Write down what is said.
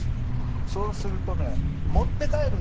そうするとね持って帰るんですよ